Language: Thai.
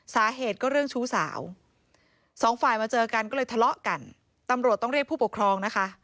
สาเหตุก็เรื่องชู้สาวสองฝ่ายมาเจอกันก็เลยทะเลาะกันตำรวจต้องเรียกผู้ปกครองนะคะ